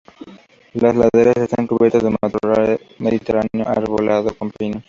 Las laderas están cubiertas de matorral mediterráneo arbolado con pinos.